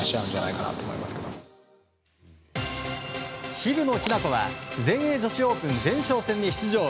渋野日向子は全英女子オープン前哨戦に出場。